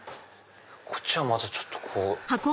こっちはまたちょっとこう。